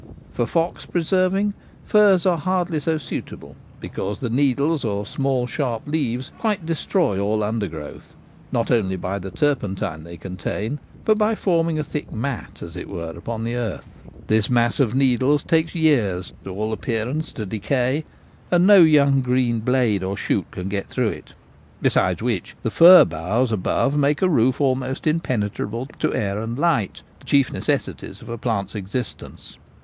For fox preserving firs are hardly so suitable, because the needles, or small sharp leaves, quite destroy all under growth — not only by the turpentine they contain, but by forming a thick mat, as it were, upon the earth. This mass of needles takes years, to all appearance, to decay, and no young green blade or shoot can get through it ; besides which the fir boughs above make a roof almost impenetrable to air and light, the chief necessities of a plant's existence.